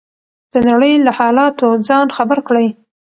د نړۍ له حالاتو ځان خبر کړئ.